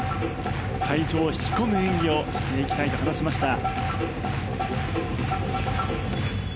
会場を引き込んだ演技をしていきたいと話しました。